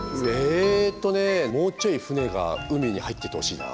えっとねもうちょい船が海に入っててほしいな。